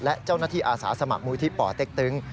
และเจ้าหน้าที่อาสาสมัครมูลที่ป่อเต็กตึง